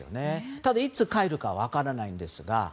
ただ、いつ帰るか分からないんですが。